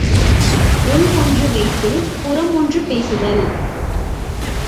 உள்ஒன்று வைத்துப் புறம் ஒன்று பேசுதல்!